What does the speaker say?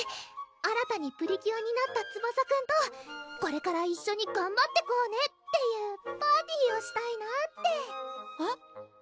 新たにプリキュアになったツバサくんとこれから一緒にがんばってこうねっていうパーティーをしたいなってえっ？